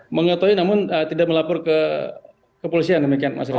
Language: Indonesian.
iya mengetahui namun tidak melapor ke polisi demikian mas resa